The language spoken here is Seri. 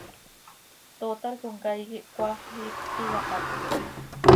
Tootar comcaii quih cmaax iipx quih iyapatjc.